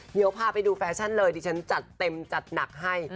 เนี่ยคะถ้าไปดูฟ่าชั่นเลยที่ชั้นจัดเต็มจัดหนักให้